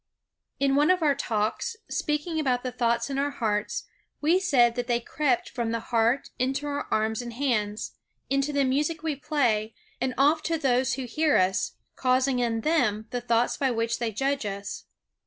_ In one of our Talks, speaking about the thoughts in our hearts, we said that they crept from the heart into our arms and hands, into the music we play, and off to those who hear us, causing in them the thoughts by which they judge us.